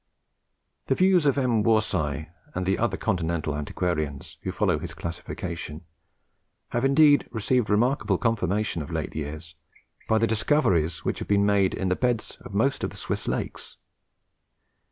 The views of M. Worsaae, and the other Continental antiquarians who follow his classification, have indeed received remarkable confirmation of late years, by the discoveries which have been made in the beds of most of the Swiss lakes.